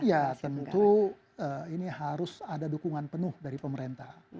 ya tentu ini harus ada dukungan penuh dari pemerintah